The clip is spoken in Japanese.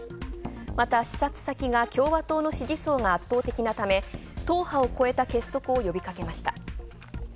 また視察先が共和党名支持層が圧倒的なため、党派を超えた結束を呼びかけました。